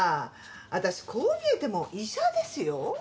私こう見えても医者ですよ？